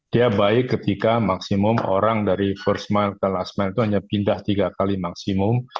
dia baik ketika maksimum orang dari first mile ke last mile itu hanya pindah tiga kali maksimum